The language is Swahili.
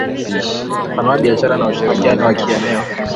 Itapanua biashara na ushirikiano wa kieneo